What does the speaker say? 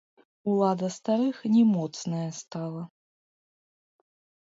Улада старых не моцная стала.